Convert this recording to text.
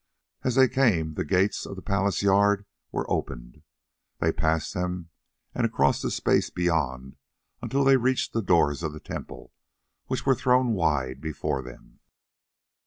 As they came the gates of the palace yard were opened. They passed them and across the space beyond until they reached the doors of the temple, which were thrown wide before them.